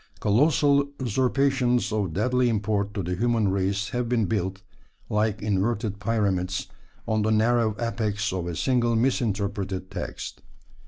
Colossal usurpations of deadly import to the human race have been built, like inverted pyramids, on the narrow apex of a single misinterpreted text.